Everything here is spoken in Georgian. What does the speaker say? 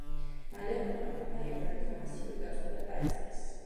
მალე ოკუპანტებმა ებრაელთა მასიური გაწყვეტა დაიწყეს.